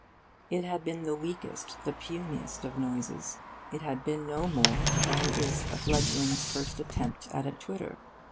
It had been the weakest, the puniest of noises. It had been no more than is a fledgling's first attempt at a twitter.